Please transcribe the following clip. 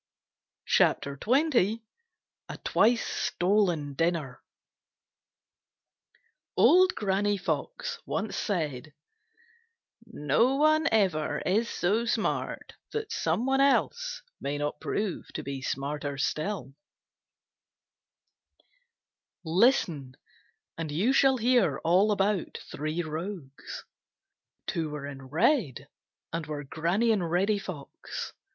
CHAPTER XX A Twice Stolen Dinner No one ever is so smart that some one else may not prove to be smarter still. —Old Granny Fox. Listen and you shall hear all about three rogues. Two were in red and were Granny and Reddy Fox.